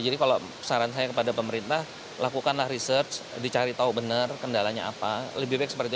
jadi kalau saran saya kepada pemerintah lakukanlah research dicari tahu benar kendalanya apa lebih baik seperti itu